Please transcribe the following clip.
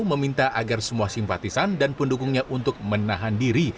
meminta agar semua simpatisan dan pendukungnya untuk menahan diri